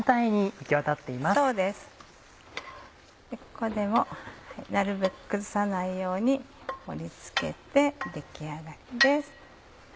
ここでもなるべく崩さないように盛り付けて出来上がりです。